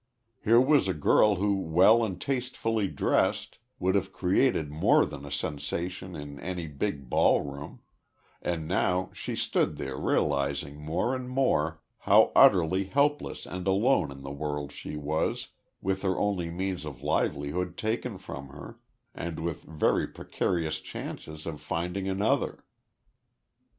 Here was a girl who well and tastefully dressed would have created more than a sensation in any big ballroom, and now she stood there realising more and more how utterly helpless and alone in the world she was, with her only means of livelihood taken from her, and with very precarious chances of finding another.